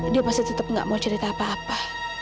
dia masih tetap gak mau cerita apa apa